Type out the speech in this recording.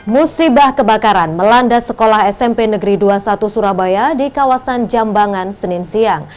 musibah kebakaran melanda sekolah smp negeri dua puluh satu surabaya di kawasan jambangan senin siang